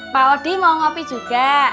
pak odi mau ngopi juga